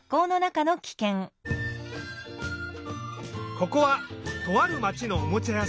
ここはとあるまちのおもちゃやさん。